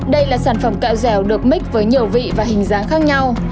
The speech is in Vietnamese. đây là sản phẩm kẹo dẻo được mít với nhiều vị và hình dáng khác nhau